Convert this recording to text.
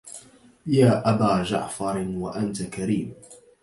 يا أبا جعفر وأنت كريم